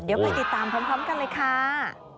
เดี๋ยวไปติดตามพร้อมกันเลยค่ะ